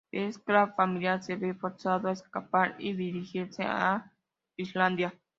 El clan familiar se ve forzado a escapar y dirigirse a Islandia.